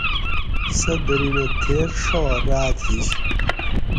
سہ دھرینہ تھیر ڛا راۤت ھِیش